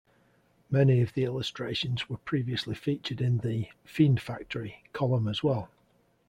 Many of the illustrations were previously featured in the "Fiend Factory" column as well.